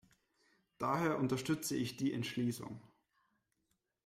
Daher unterstütze ich die Entschließung.